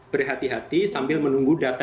berhati hati sambil menunggu data